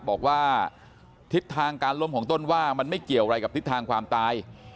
บอกว่าทิศทางการล้มของต้นว่ามันไม่เกี่ยวอะไรกับทิศทางความตาย